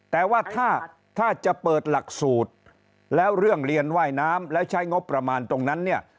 แต่ว่าถ้าจะเปิดหลักสูตรแล้วเรื่องเรียนว่ายน้ำแล้วใช้งบประมาณตรงนั้นเนี่ย